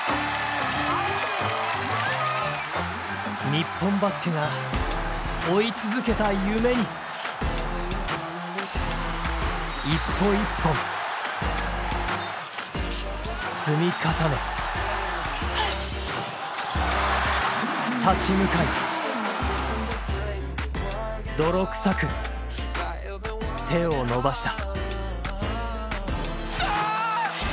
日本バスケが追い続けた夢に１歩１歩、積み重ね立ち向かい泥臭く手を伸ばした。